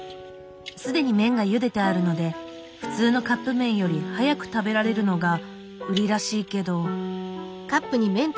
既に麺がゆでてあるので普通のカップ麺より早く食べられるのが売りらしいけど。